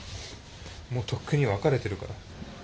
もうとっくに別れてるから。